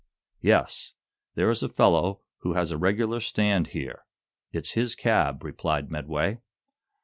"Yes; there is a fellow who has a regular stand here. It's his cab," replied Medway.